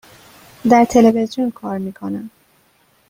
در تلویزیون کار می کنم.